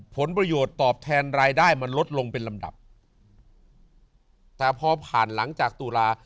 ผลประโยชน์ตอบแทนรายได้มันลดลงเป็นลำดับแต่พอผ่านหลังจากตุลา